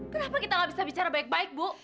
kenapa kita nggak bisa bicara baik baik bu